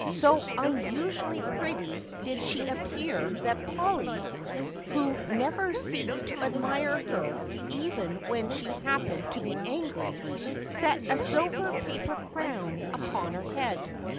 So unusually pretty did she appear that Polly, who never ceased to admire her, even when she happened to be angry, set a silver paper crown upon her head.